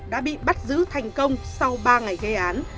đã bị bắt giữ thành công sau ba ngày gây án